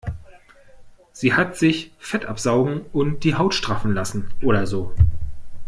Sie hat sich Fett absaugen und die Haut straffen lassen oder so.